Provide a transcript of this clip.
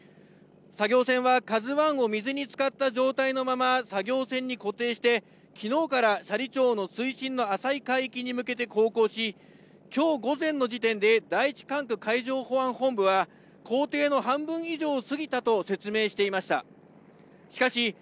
作業船はＫＡＺＵＩを水につかった状態のまま作業船に固定して、きのうから斜里町の水深の浅い海域に向けて航行してきょう午前の時点で第１管区海上保安本部は工程の半分以上を過ぎたと説明していました。